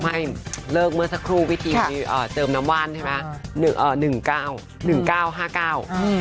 ไม่เลิกเมื่อสักครู่วิธีเจิมน้ำว่านใช่ไหม